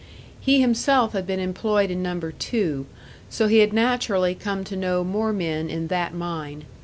He himself had been employed in Number Two, so he had naturally come to know more men in that mine.